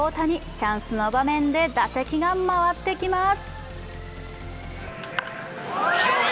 チャンスの場面で打席が回ってきます。